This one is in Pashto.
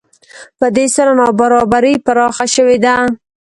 په دې سره نابرابري پراخه شوې ده